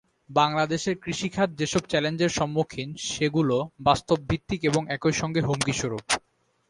বাংলাদেশের কৃষি খাত যেসব চ্যালেঞ্জের সম্মুখীন, সেগুলো বাস্তবভিত্তিক এবং একই সঙ্গে হুমকিস্বরূপ।